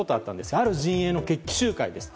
ある陣営の決起集会です。